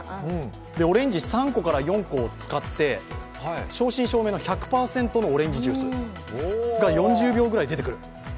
オレンジ３４個を使って正真正銘の１００％のオレンジジュースが４０秒ぐらいで出てくる。